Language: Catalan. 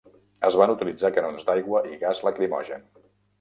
Es van utilitzar canons d'aigua i gas lacrimogen.